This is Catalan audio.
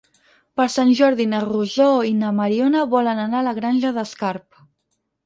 Per Sant Jordi na Rosó i na Mariona volen anar a la Granja d'Escarp.